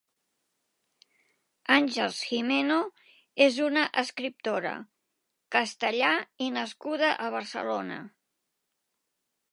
Àngels Gimeno és una escriptora, castellà i nascuda a Barcelona.